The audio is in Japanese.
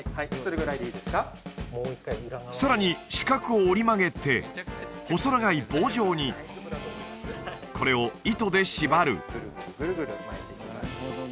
さらに四角を折り曲げて細長い棒状にこれを糸で縛るグルグルグルグル巻いていきます